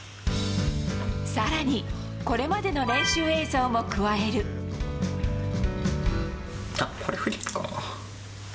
さらに、これまでの練習映像あっ、これ、フリップかな？